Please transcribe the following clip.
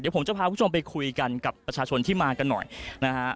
ผมจะพาคุณผู้ชมไปคุยกันกับประชาชนที่มากันหน่อยนะฮะ